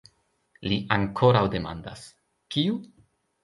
Li ankoraŭ demandas: kiu?